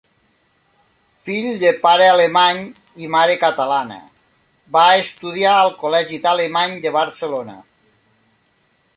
Fill de pare alemany i mare catalana, va estudiar al Col·legi Alemany de Barcelona.